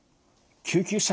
「救急車！